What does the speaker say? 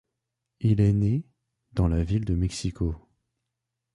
Il est né dans la ville de Mexico.